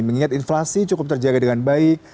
mengingat inflasi cukup terjaga dengan baik